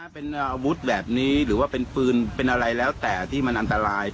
เป็นอาวุธแบบนี้หรือว่าเป็นปืนเป็นอะไรแล้วแต่ที่มันอันตราย